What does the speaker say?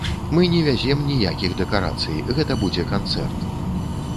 Мы не вязем ніякіх дэкарацый, гэта будзе канцэрт.